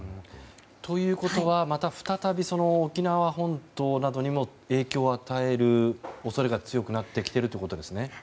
ということはまた再び沖縄本島などにも影響を与える恐れが強くなってきてるということですね。